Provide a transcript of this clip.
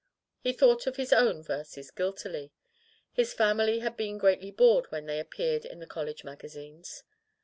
He thought of his own verses guiltily. His family had been greatly bored when they appeared in the college magazines.